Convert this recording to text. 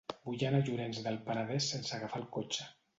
Vull anar a Llorenç del Penedès sense agafar el cotxe.